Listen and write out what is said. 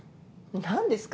何ですか？